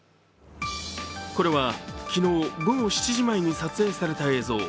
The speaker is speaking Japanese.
これは昨日午後７時前に撮影された映像。